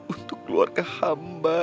untuk keluarga hamba